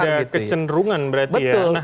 ada kecenderungan berarti ya